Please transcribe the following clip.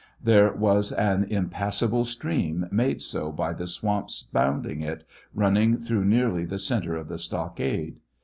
There was an impas . sable stream, made so by the swamps bounding it, running through nearly the centre of the stoekade.